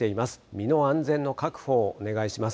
身の安全の確保をお願いします。